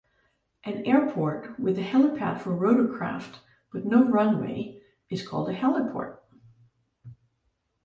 An airport with a helipad for rotorcraft but no runway is called a heliport.